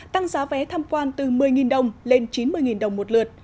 tăng giá vé tham quan từ một mươi đồng lên chín mươi đồng một lượt